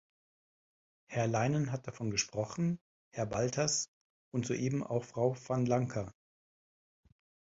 Herr Leinen hat davon gesprochen, Herr Baltas und soeben auch Frau Van Lancker.